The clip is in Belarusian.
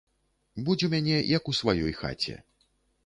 Будзь у мяне, як у сваёй хаце.